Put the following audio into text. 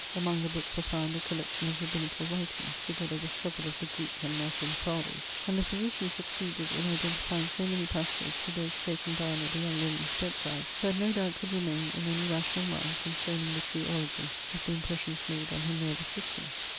Among the books were found a collection of Rabbinical writings, together with several of the Greek and Latin Fathers; and the physician succeeded in identifying so many passages with those taken down at the young woman's bedside, that no doubt could remain in any rational mind concerning the true origin of the impressions made on her nervous system.